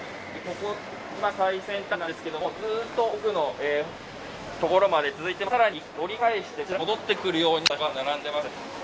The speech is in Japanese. こちら最先端なんですけど、ずっと奥のところまで続いていまして、さらに１回折り返してこちら戻ってくるように、まだ人が並んでいます。